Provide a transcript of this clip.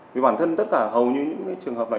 vì bản thân tất cả hầu như những trường hợp này